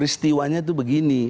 istiwanya itu begini